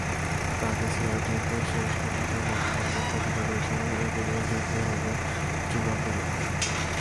কাদেসিয়ার যুদ্ধের শেষ দিবসে মুসলমানগণ প্রতিজ্ঞা করলেন, এ দিনের যুদ্ধই হবে চূড়ান্ত যুদ্ধ।